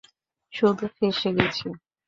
শুধু ফেঁসে গেছি।